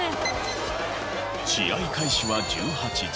試合開始は１８時。